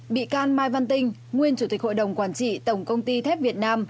bị can mai văn tinh nguyên chủ tịch hội đồng quản trị tổng công ty thép việt nam